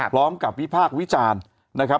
พร้อมกับวิภาควิจารณ์นะครับ